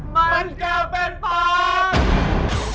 มันจะเป็นฝาก